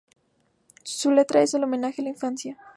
Su letra es un homenaje a la infancia.